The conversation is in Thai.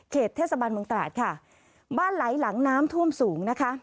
เทศบาลเมืองตราดค่ะบ้านไหลหลังน้ำท่วมสูงนะคะ